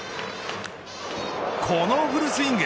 このフルスイング。